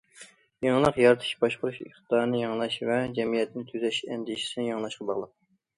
يېڭىلىق يارىتىش باشقۇرۇش ئىقتىدارىنى يېڭىلاش ۋە جەمئىيەتنى تۈزەش ئەندىزىسىنى يېڭىلاشقا باغلىق.